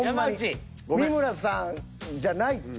三村さんじゃないって。